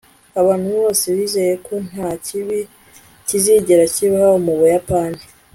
abantu bose bizeye ko nta kibi kizigera kibaho mu buyapani